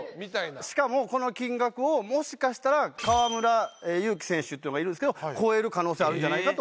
しかもこの金額をもしかしたら河村勇輝選手というのがいるんですけど超える可能性あるんじゃないかと。